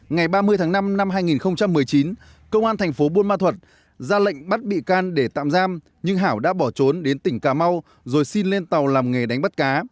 ngày ba mươi tháng năm năm hai nghìn một mươi chín công an thành phố buôn ma thuật ra lệnh bắt bị can để tạm giam nhưng hảo đã bỏ trốn đến tỉnh cà mau rồi xin lên tàu làm nghề đánh bắt cá